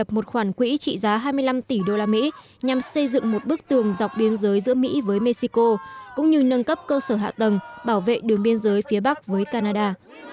một khoản quỹ trị giá hai mươi năm tỷ usd nhằm xây dựng một bức tường dọc biên giới giữa mỹ với mexico cũng như nâng cấp cơ sở hạ tầng bảo vệ đường biên giới phía bắc với canada